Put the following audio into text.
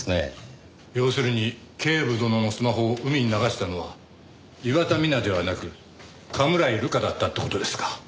要するに警部殿のスマホを海に流したのは岩田ミナではなく甘村井留加だったって事ですか？